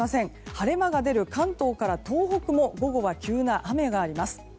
晴れ間が出る関東から東北も午後は急な雨があります。